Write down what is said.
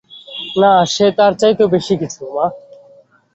না, সে তার চাইতেও বেশিকিছু, মা।